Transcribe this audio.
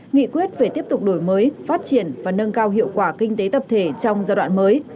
nghị quyết về tiếp tục đổi mới phát triển và nâng cao hiệu quả kinh tế tập thể trong giai đoạn mới